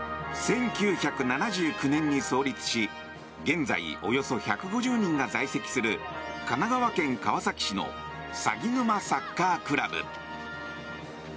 １９７９年に創立し現在およそ１５０人が在籍する神奈川県川崎市のさぎぬまサッカークラブ。